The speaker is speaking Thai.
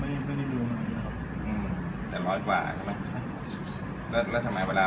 แต่ร้อยกว่าแล้วทำไมเวลามันแซงเข้าเสร็จแบบนั้น